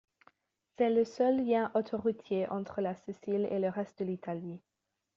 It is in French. C'est le seul lien autoroutier entre la Sicile et le reste de l'Italie.